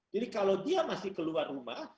jadi kalau dia masih keluar rumah